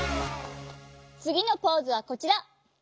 つぎのポーズはこちら。